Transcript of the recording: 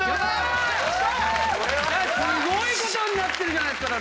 すごいことになってるじゃないですか！